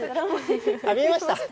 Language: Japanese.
見えました？